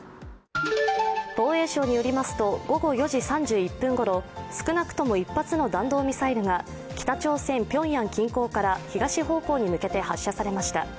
防衛省によりますと、午後４時３１分ごろ、少なくとも１発の弾道ミサイルが北朝鮮・ピョンヤン近郊から東方向に向けて発射されました。